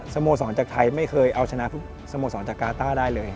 สโมสัญฐานจากไทยไม่เคยเอาชนะสโมสัญฐานจากกาต้าได้เลย